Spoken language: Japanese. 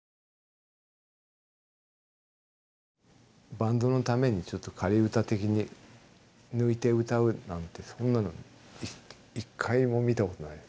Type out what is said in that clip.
バンドのためにちょっと仮歌的に抜いて歌うなんてそんなの一回も見たことない。